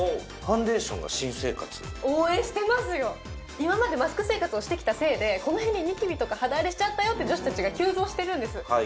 今までマスク生活をしてきたせいでこの辺にニキビとか肌荒れしちゃったよって女子たちが急増しているんですはい